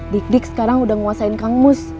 dik dik sekarang udah nguasain kang mus